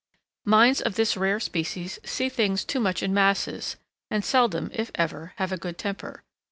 Minds of this rare species see things too much in masses, and seldom, if ever, have a good temper.